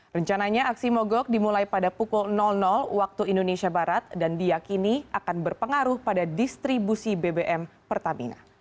rencananya aksi mogok dimulai pada pukul waktu indonesia barat dan diakini akan berpengaruh pada distribusi bbm pertamina